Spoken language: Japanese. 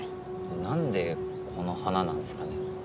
何でこの花なんすかね？